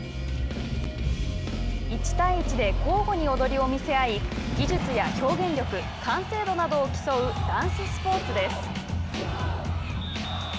１対１で交互に踊りを見せ合い技術や表現力完成度などを競うダンススポーツです。